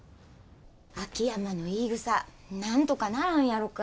秋山の言いぐさなんとかならんやろか。